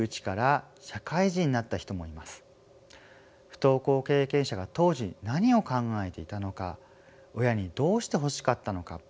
不登校経験者が当時何を考えていたのか親にどうしてほしかったのか。